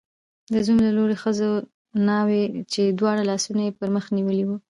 د زوم د لوري ښځو ناوې، چې دواړه لاسونه یې پر مخ نیولي وو